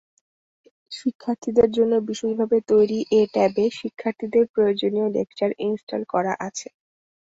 শিক্ষার্থীদের জন্য বিশেষভাবে তৈরি এ ট্যাবে শিক্ষার্থীদের প্রয়োজনীয় লেকচার ইনস্টল করা আছে।